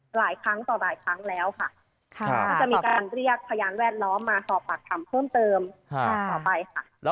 หลายครั้งต่อหลายครั้งแล้วค่ะก็จะมีการเรียกพยานแวดล้อมมาสอบปากคำเพิ่มเติมต่อไปค่ะ